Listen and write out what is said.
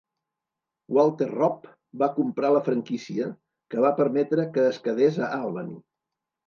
Walter Robb va comprar la franquícia, que va permetre que es quedés a Albany.